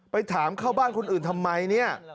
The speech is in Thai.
ไปถามเข้าบ้านคนอื่นทำไมเนี่ย